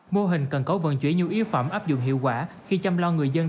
mô hình cần cấu vận chuyển nhu yếu phẩm áp dụng hiệu quả khi chăm lo người dân